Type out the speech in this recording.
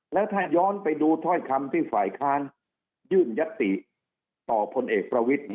แล้วถ้าย้อนไปดูถ้อยคำที่ฝ่ายค้านยื่นยัตติต่อพลเอกประวิทธิ